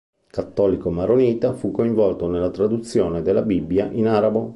Cattolico maronita, fu coinvolto nella traduzione della Bibbia in arabo.